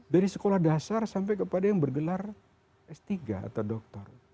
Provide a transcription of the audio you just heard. dari sekolah dasar sampai kepada yang bergelar s tiga atau dokter